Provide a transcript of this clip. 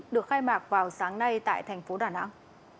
được khai mạc vào sáng nay tại thành phố đà nẵng